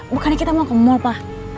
bukannya kita mau ke mall pa